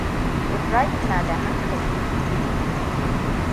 Ibrahim na da hankali.